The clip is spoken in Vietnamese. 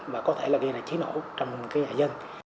và có thể gây ra chế nổ trong nhà dân